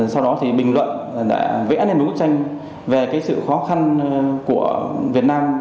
sau đó thì bình luận vẽ lên bức tranh về cái sự khó khăn của việt nam